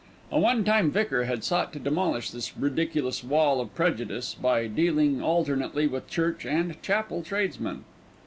A one time vicar had sought to demolish this "ridiculous wall of prejudice" by dealing alternately with church and chapel tradesmen.